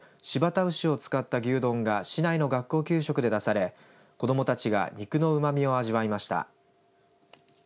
新発田牛を使った牛丼が市内の学校給食で出され子どもたちが肉のうまみを味わいました。